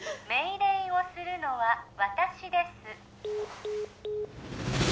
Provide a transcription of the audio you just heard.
命令をするのは私です